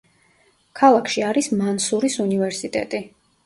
ქალაქში არის მანსურის უნივერსიტეტი.